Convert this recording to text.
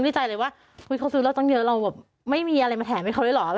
ในใจเลยว่าเขาซื้อเราตั้งเยอะเราแบบไม่มีอะไรมาแถมให้เขาด้วยเหรอ